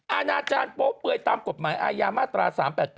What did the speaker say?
อาณาจารย์โป๊เปื่อยตามกฎหมายอาญามาตรา๓๘๘